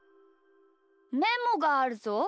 メモがあるぞ？